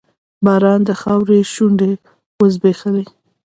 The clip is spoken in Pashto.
باران د خاورو شونډې وځبیښلې